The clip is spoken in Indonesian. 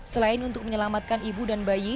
selain untuk menyelamatkan ibu dan bayi